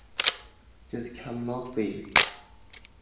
This cannot be!